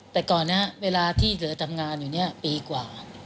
แต่ก่อนนี้เวลาที่เหลือทำงานอยู่เนี่ยปีกว่า